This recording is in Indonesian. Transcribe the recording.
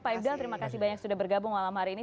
pak ifdal terima kasih banyak sudah bergabung malam hari ini